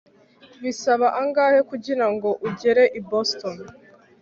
bisaba angahe kugirango ugere i boston